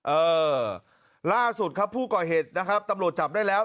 เออล่าสุดครับผู้ก่อเหตุนะครับตำรวจจับได้แล้ว